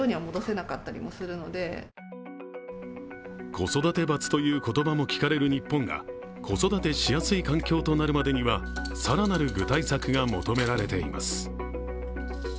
子育て罰という言葉も聞かれる日本が、子育てしやすい環境となるまでには更なる具体策が求められています。